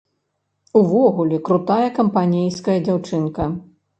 Увогуле, крутая, кампанейская дзяўчынка!